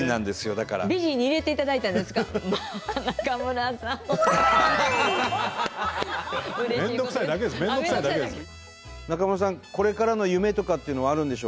これからの夢とかっていうのはあるんでしょうか？